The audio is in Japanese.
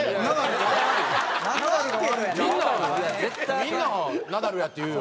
みんな「ナダルや」って言うよ。